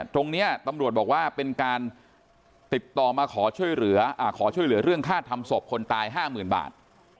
ตรงนี้ตำรวจบอกว่าเป็นการติดต่อมาขอช่วยเหลือเรื่องค่าทำศพคนตาย๕๐๐๐บาท